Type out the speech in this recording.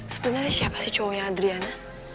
sebenernya siapa sih cowoknya adriana